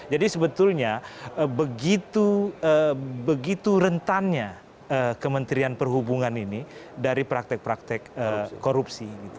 jadi sebetulnya begitu rentannya kementerian perhubungan ini dari praktek praktek korupsi